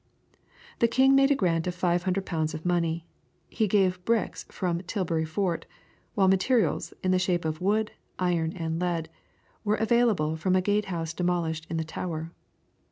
The king made a grant of five hundred pounds of money. He gave bricks from Tilbury Fort, while materials, in the shape of wood, iron, and lead, were available from a gatehouse demolished in the Tower.